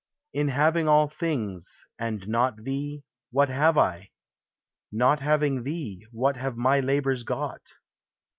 In having all things, and not thee, what have I? Not having thee, what have my labors got?